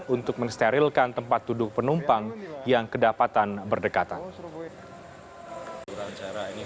untuk mensterilkan tempat duduk penumpang yang kedapatan berdekatan